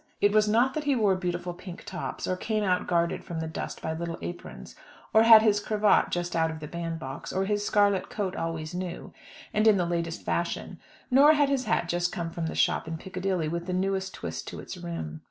It was not that he wore beautiful pink tops, or came out guarded from the dust by little aprons, or had his cravat just out of the bandbox, or his scarlet coat always new, and in the latest fashion, nor had his hat just come from the shop in Piccadilly with the newest twist to its rim.